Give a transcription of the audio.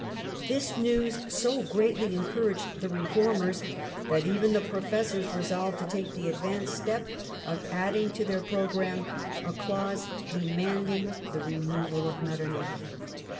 This news so greatly encouraged the reformers that even the Professors resolved to take the advanced step of adding to their pro gramme a clause demanding the removal of jMetternich.